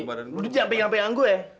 udah capek capekan gue